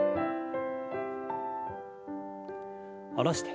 下ろして。